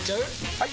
・はい！